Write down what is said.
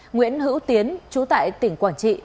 nguyễn hữu tiến chú tại tỉnh quảng trị